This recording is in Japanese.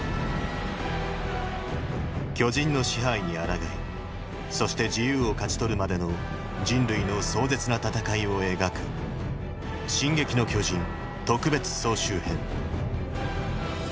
巨人の支配に抗いそして自由を勝ち取るまでの人類の壮絶な戦いを描く「進撃の巨人特別総集編」